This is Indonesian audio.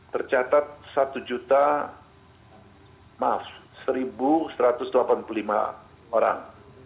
tercatat satu juta maaf satu satu ratus delapan puluh lima orang